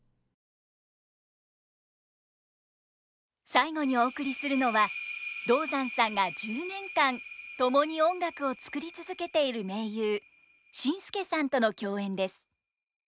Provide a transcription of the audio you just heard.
最後にお送りするのは道山さんが１０年間共に音楽を作り続けている盟友ＳＩＮＳＫＥさんとの共演です。